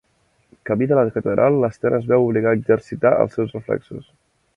Camí de la catedral, l'Sten es veu obligat a exercitar els seus reflexos.